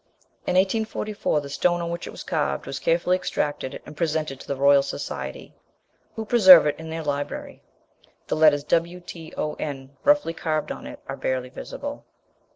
In 1844 the stone on which it was carved was carefully extracted and presented to the Royal Society, who preserve it in their library. The letters WTON roughly carved on it are barely visible.